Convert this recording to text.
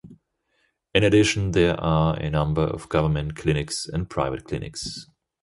In addition there are a number of government clinics and private clinics.